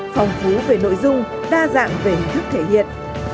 phong phú về nội dung đa dạng về hình thức thể hiện